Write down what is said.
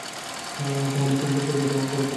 তাহলে পেনড্রাইভ রেখে দাও, আমি পড়ে দেখে নেব।